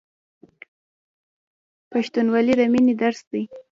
پښتونولي د مینې درس دی.